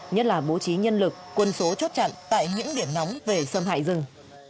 nhất là bố trí nhân lực quân số chốt chặn tại những điểm nóng về xâm hại rừng